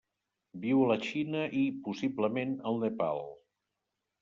Viu a la Xina i, possiblement, al Nepal.